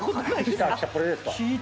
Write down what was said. これですか。